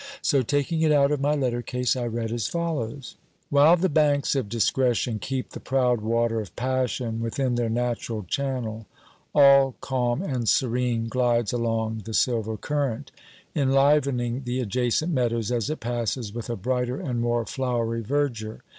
So, taking it out of my letter case, I read as follows: "While the banks of discretion keep the proud water of passion within their natural channel, all calm and serene glides along the silver current, enlivening the adjacent meadows, as it passes, with a brighter and more flowery verdure.